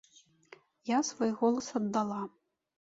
Я свой голас аддала.